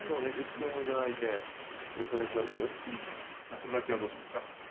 夏酒はどうしますか？